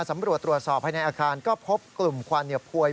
สำรวจตรวจสอบภายในอาคารก็พบกลุ่มควันเหยีพวย